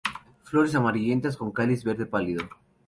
Flores amarillentas con cáliz verde pálido.